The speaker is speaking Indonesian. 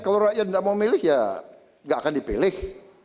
kalau rakyat tidak mau memilih ya tidak akan dipilih